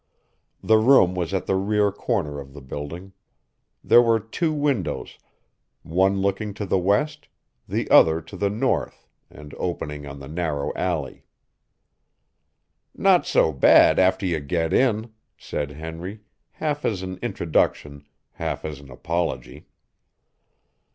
The room was at the rear corner of the building. There were two windows, one looking to the west, the other to the north and opening on the narrow alley. "Not so bad after you get in," said Henry, half as an introduction, half as an apology.